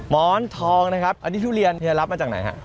หมอนทองนะครับอันนี้ทุเรียนรับมาจากไหนฮะ